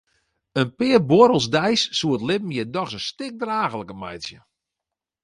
In pear buorrels deis soe it libben hjir dochs in stik draachliker meitsje.